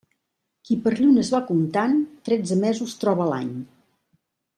Qui per llunes va comptant, tretze mesos troba a l'any.